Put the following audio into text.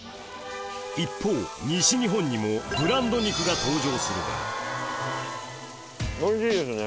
一方西日本にもブランド肉が登場するがおいしいですね。